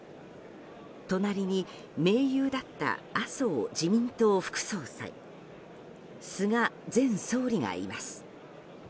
隣に、盟友だった麻生自民党副総裁菅前総理がいます。